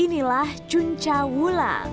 ini lah cuncah wulang